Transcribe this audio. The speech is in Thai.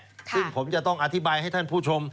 ซึ่งผมจะต้องอธิบายให้ท่านผู้ชม